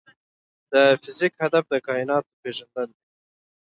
د فزیک هدف د کائنات پېژندل دي.